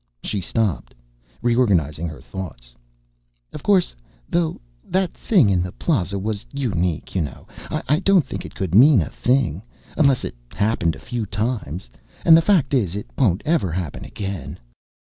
She stopped, reorganizing her thoughts. "Of course, though, that thing in the Plaza was unique, you know. I don't think it could mean a thing ... unless it happened a few times. And the fact is it won't ever happen again."